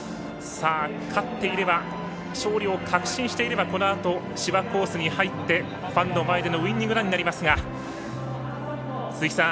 勝っていれば勝利を確信していればこのあと、芝コースに入ってファンの前でのウイニングランになりますが鈴木さん